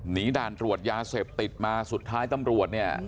ด่านตรวจยาเสพติดมาสุดท้ายตำรวจเนี่ย